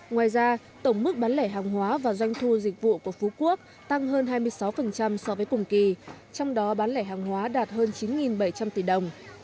ngoài ra tổng mức bán lẻ hàng hóa và doanh thu dịch vụ của phú quốc tăng hơn hai mươi sáu so với cùng kỳ trong đó bán lẻ hàng hóa đạt hơn chín bảy trăm linh tỷ đồng